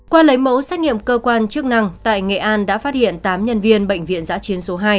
qua lấy mẫu xét nghiệm cơ quan chức năng tại nghệ an đã phát hiện tám nhân viên bệnh viện giã chiến số hai